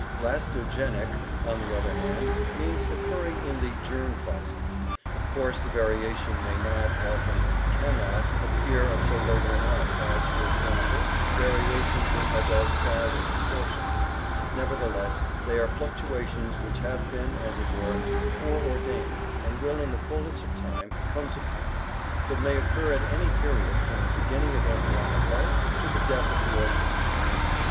Blastogenic (Gr. /3\oot6$, germ, and yfreais, generation), on the other hand, means occurring in the germ plasm. Of course the variation may not, often can not appear until later in life, as, for example, varia tions in adult size and proportions; nevertheless they are fluctua tions which have been, as it were, foreordained and will in the full ness of time come to pass, but may occur at any period from the beginning of embryonic life to the death of the organism.